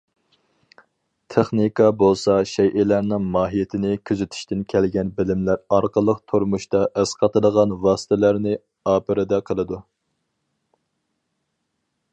تېخنىكا بولسا شەيئىلەرنىڭ ماھىيىتىنى كۆزىتىشتىن كەلگەن بىلىملەر ئارقىلىق تۇرمۇشتا ئەسقاتىدىغان ۋاسىتىلەرنى ئاپىرىدە قىلىدۇ.